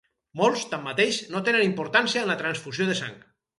Molts, tanmateix, no tenen importància en la transfusió de sang.